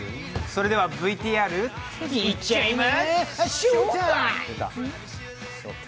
それでは、ＶＴＲ行っちゃいま